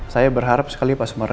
saya berharap sekali pak sumardi